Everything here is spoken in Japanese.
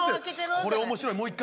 これ面白いもう一回。